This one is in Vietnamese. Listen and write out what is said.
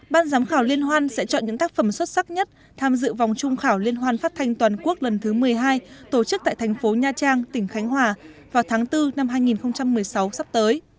ban giám khảo liên hoan sẽ chọn những tác phẩm xuất sắc nhất tham dự vòng trung khảo liên hoan phát thanh toàn quốc lần thứ một mươi hai tổ chức tại thành phố nha trang tỉnh khánh hòa vào tháng bốn năm hai nghìn một mươi sáu sắp tới